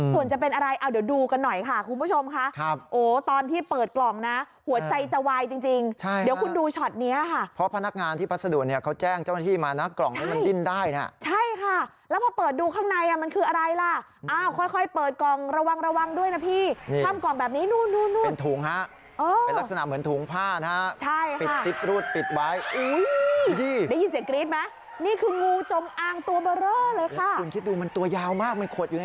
ส่วนจะเป็นอะไรเดี๋ยวดูกันหน่อยค่ะคุณผู้ชมค่ะ